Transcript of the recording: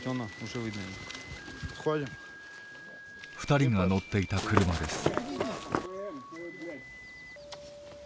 ２人が乗っていた車です。